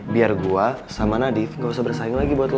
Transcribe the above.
biar gue sama nadif gak usah bersaing lagi buat gue